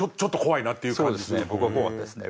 僕は怖かったですね。